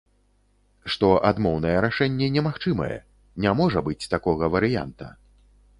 Што адмоўнае рашэнне немагчымае, не можа быць такога варыянта.